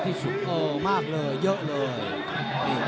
เยอะมากเลยเยอะเลย